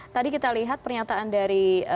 tadi kita lihat pernyataan dari